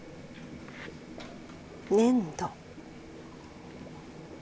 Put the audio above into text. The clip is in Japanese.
粘土。